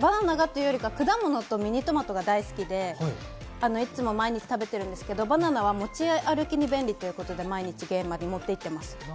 バナナというか、果物とミニトマトが大好きでいつも毎日食べてるんですけど、バナナは持ち歩きに便利ということで毎日現場に持っていってます。